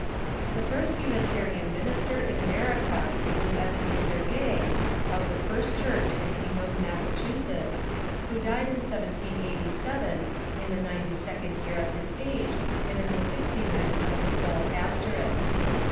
The first Unitarian minister in America was Ebenezer Gay, of the First Church in Hingham, Massachusetts, who died in 1787, in the ninety second year of his age and in the The First gixty uinth of his sole pastorate.